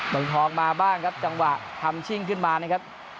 เมืองทองมาบ้างครับจังหวะทำชิ่งขึ้นมานะครับ